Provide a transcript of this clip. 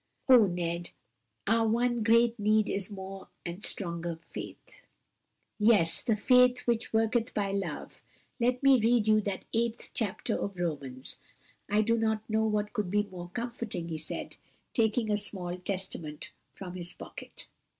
Oh, Ned, our one great need is more and stronger faith!" "Yes, the faith which worketh by love! Let me read you that eighth chapter of Romans. I do not know what could be more comforting," he said, taking a small Testament from his pocket.